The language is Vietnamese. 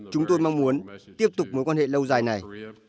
chúng tôi mong muốn tiếp tục mối quan hệ lâu dài này